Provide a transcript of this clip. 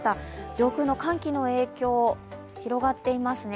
上空の寒気の影響、広がっていますね。